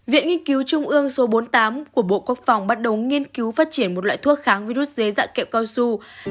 viện nghiên cứu trung ương số bốn mươi tám của bộ quốc phòng bắt đầu nghiên cứu phát triển một loại thuốc kháng virus dưới dạng kẹo cao su